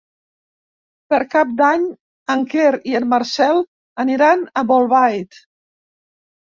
Per Cap d'Any en Quer i en Marcel aniran a Bolbait.